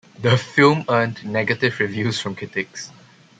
The film earned negative reviews from critics.